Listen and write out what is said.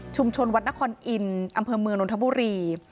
วัดนครอินทร์อำเภอเมืองนนทบุรี